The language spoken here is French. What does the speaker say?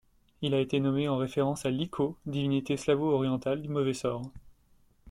Il a été nommé en référence à Likho, divinité slavo-orientale du mauvais sort.